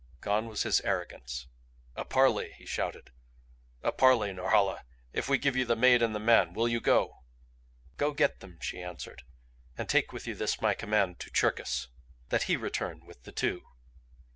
Gone was his arrogance. "A parley," he shouted. "A parley, Norhala. If we give you the maid and man, will you go?" "Go get them," she answered. "And take with you this my command to Cherkis that HE return with the two!"